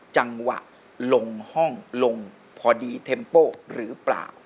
จังหวะลงห้องลงพอดีเทมโป้หรือเปล่า